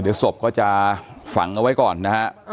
เดี๋ยวศพก็จะฝังเอาไว้ก่อนนะฮะ